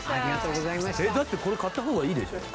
だってこれ買った方がいいでしょ？